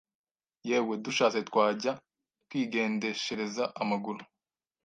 Yewe dushatse twajya twigendeshereza amaguru